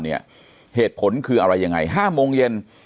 เหตุผลคืออะไรยังไง๕โมงเย็น